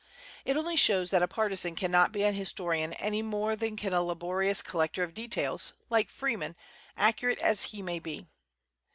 It only shows that a partisan cannot be an historian any more than can a laborious collector of details, like Freeman, accurate as he may be.